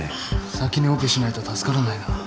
先にオペしないと助からないな。